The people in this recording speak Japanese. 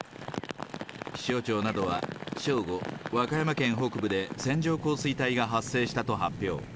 気象庁などは、正午、和歌山県北部で線状降水帯が発生したと発表。